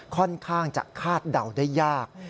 ค่อนข้างจะคาดเดาได้ยาก